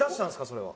それは。